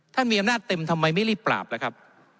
ถ้ามีอำนาจเต็มทำไมไม่รีบปราบล่ะครับ